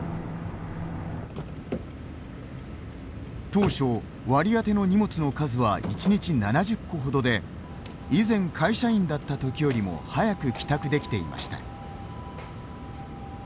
当初割り当ての荷物の数は１日７０個ほどで以前会社員だった時よりも早く帰宅できていました。